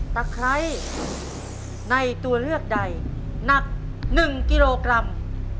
ไร้ในตัวเลือกใดหนัก๑กิโลกรัม